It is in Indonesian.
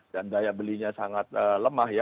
daya belinya sangat lemah ya